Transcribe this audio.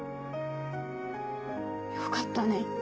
よかったね。